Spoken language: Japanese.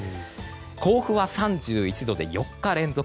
甲府は３１度で４日連続